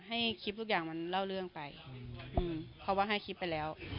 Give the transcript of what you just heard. ให้คลิปทุกอย่างมันเล่าเรื่องไปเพราะว่าให้คลิปไปแล้ว